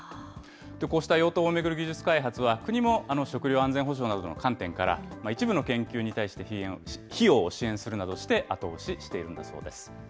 こうした養豚を巡る技術開発は、国も食料安全保障などの観点から、一部の研究に対して費用を支援するなどして、後押ししているんだそうです。